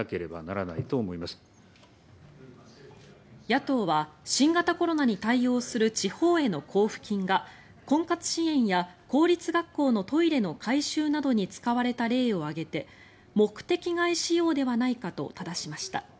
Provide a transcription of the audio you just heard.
野党は新型コロナに対応する地方への交付金が婚活支援や公立学校のトイレの改修などに使われた例を挙げて目的外使用ではないかとただしました。